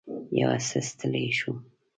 یو څه ستړې شوم.